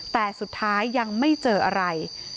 แต่สุดท้ายยังไม่เจออะไร